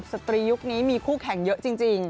สตรียุคนี้มีคู่แข่งเยอะจริง